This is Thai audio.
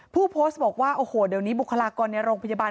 ผู้โพสต์บอกว่าโอ้โหเดี๋ยวนี้บุคลากรในโรงพยาบาล